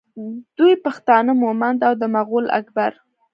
دوی پښتانه مومند او د مغول اکبر